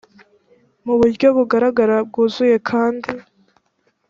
mu buryo bugaragara bwuzuye kandi